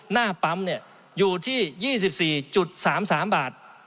หน้าปั๊มอยู่ที่๒๔๓๓บาท